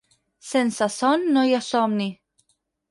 Sense son no hi ha somni.